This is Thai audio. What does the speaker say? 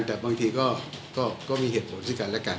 แต่บางทีก็มีเหตุผลซึ่งกันและกัน